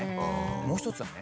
もう一つはね